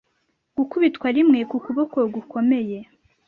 gukubitwa rimwe kukuboko gukomeye